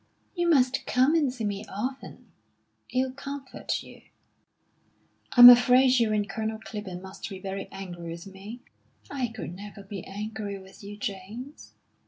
"You must come and see me often. It'll comfort you." "I'm afraid you and Colonel Clibborn must be very angry with me?" "I could never be angry with you, James....